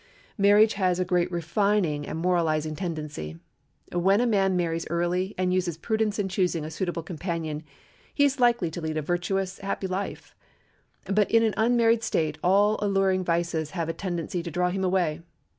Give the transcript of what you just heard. Marriage has a great refining and moralizing tendency. When a man marries early and uses prudence in choosing a suitable companion, he is likely to lead a virtuous, happy life; but in an unmarried state all alluring vices have a tendency to draw him away.